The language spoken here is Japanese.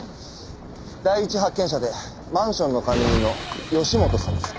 第一発見者でマンションの管理人の吉本さんです。